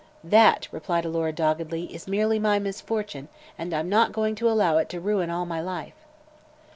"That," replied Alora doggedly, "is merely my misfortune, and I'm not going to allow it to ruin all my life."